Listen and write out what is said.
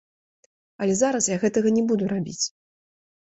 Але зараз я гэтага не буду рабіць.